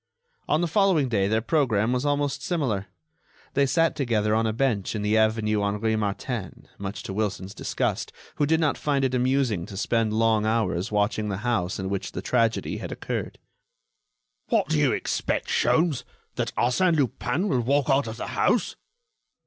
On the following day their programme was almost similar. They sat together on a bench in the avenue Henri Martin, much to Wilson's disgust, who did not find it amusing to spend long hours watching the house in which the tragedy had occurred. "What do you expect, Sholmes? That Arsène Lupin will walk out of the house?"